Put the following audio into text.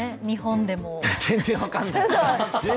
全然分かんない。